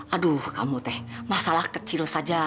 aduh kamu teh masalah kecil saja